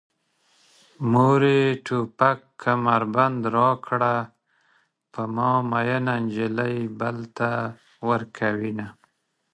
مورې توپک کمربند راکړه په ما مينه نجلۍ بل ته ورکوينه